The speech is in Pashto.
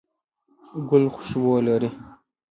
ګل خوشبو لري